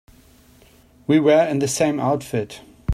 We were in the same outfit.